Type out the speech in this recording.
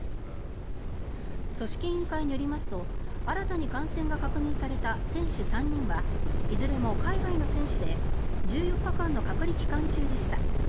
組織委員会によりますと新たに感染が確認された選手３人はいずれも海外の選手で１４日間の隔離期間中でした。